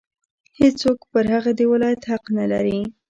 هېڅوک پر هغه د ولایت حق نه لري.